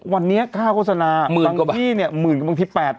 วันนี้ค่าโฆษณาบางที่เนี่ย๑๐๐๐๐กว่าบางที่๘๐๐๐บางที่